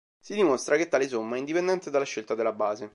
Si dimostra che tale somma è indipendente dalla scelta della base.